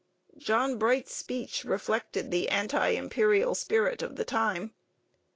John Bright's speech reflected the anti Imperial spirit of the time.